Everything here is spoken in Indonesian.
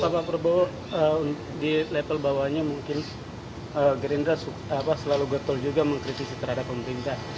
pak prabowo di level bawahnya mungkin gerindra selalu getol juga mengkritisi terhadap pemerintah